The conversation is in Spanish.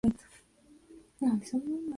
Tras ese incidente, decidió dejar Y Bala.